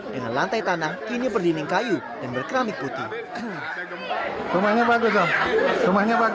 dengan lantai tanah kini berdinding kayu dan berkeramik putih